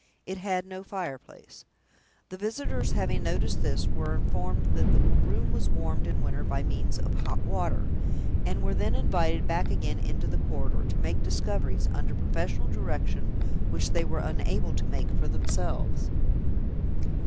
It had no fireplace. The visitors having noticed this, were informed that the room was warmed in winter by means of hot water; and were then invited back again into the corridor, to make the discoveries, under professional direction, which they were unable to make for themselves.